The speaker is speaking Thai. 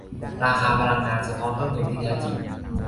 ราคาพลังงานสะท้อนต้นทุนที่แท้จริง